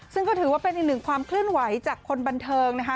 ซึ่งก็ถือว่าเป็นอีกหนึ่งความเคลื่อนไหวจากคนบันเทิงนะคะ